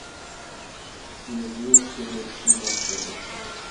He was reinstated three months later.